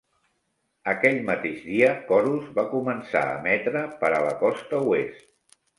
Aquell mateix dia, Corus va començar a emetre per a la costa oest.